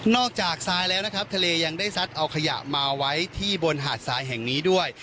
จากทรายแล้วนะครับทะเลยังได้ซัดเอาขยะมาไว้ที่บนหาดทรายแห่งนี้ด้วย